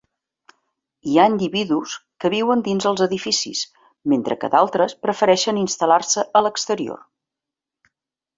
Hi ha individus que viuen dins els edificis, mentre que d'altres prefereixen instal·lar-se a l'exterior.